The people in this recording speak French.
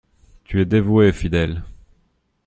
Tu es dévoué, fidèle…